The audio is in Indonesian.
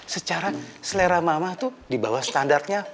secara selera mama tuh di bawah standartnya